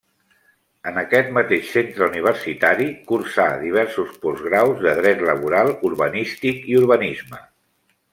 En aquest mateix centre universitari, cursà diversos postgraus de Dret Laboral, Urbanístic i Urbanisme.